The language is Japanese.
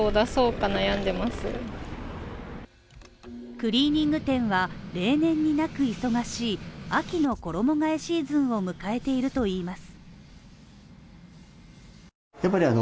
クリーニング店は例年になく忙しい秋の衣替えシーズンを迎えているといいます。